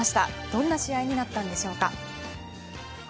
どんな試合になったんでしょうか。